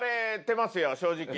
正直。